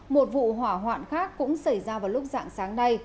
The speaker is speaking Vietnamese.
một vụ hỏa hoạn khác cũng xảy ra vào lúc dạng sáng nay